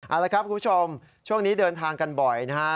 เอาละครับคุณผู้ชมช่วงนี้เดินทางกันบ่อยนะฮะ